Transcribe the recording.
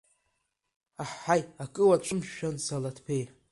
Аҳаҳаи, акы уацәымшәан, Залаҭбеи!